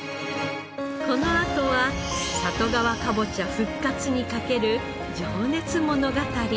このあとは里川かぼちゃ復活にかける情熱物語。